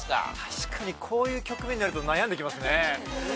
確かにこういう局面になると悩んできますね。